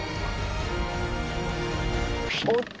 「おっと？